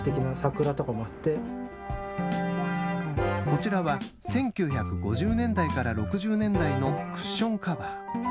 こちらは１９５０年代から６０年代のクッションカバー。